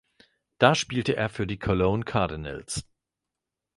Da spielte er für die Cologne Cardinals.